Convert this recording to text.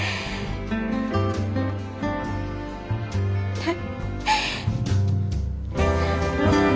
はい。